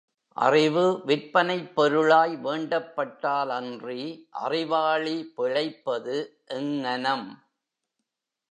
அறிவு விற்பனைப் பொருளாய் வேண்டப்பட்டாலன்றி, அறிவாளி பிழைப்பது எங்ஙனம்?